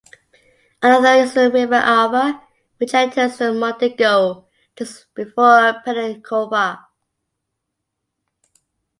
Another is the River Alva, which enters the Mondego just before Penacova.